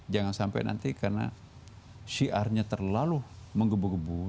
jangan sampai nanti karena syiarnya terlalu menggebu gebu